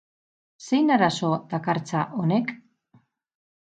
Zein arazo dakartza honek?